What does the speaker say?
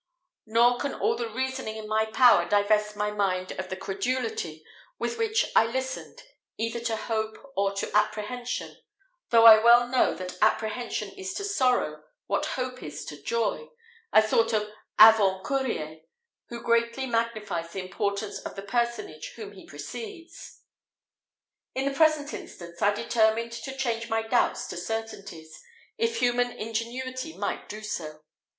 Nor can all the reasoning in my power divest my mind of the credulity with which I listen either to hope or to apprehension: though I well know that apprehension is to sorrow what hope is to joy a sort of avant courier, who greatly magnifies the importance of the personage whom he precedes. In the present instance, I determined to change my doubts to certainties, if human ingenuity might do so.